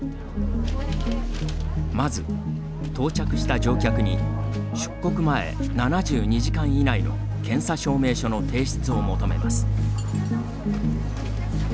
まず、到着した乗客に出国前７２時間以内の検査証明書の提出を求めます。